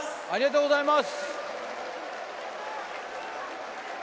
ありがとうございます。